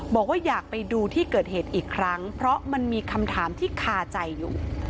บอกว่าอยากไปดูที่เกิดเหตุอีกครั้งเพราะมันมีคำถามที่คาใจอยู่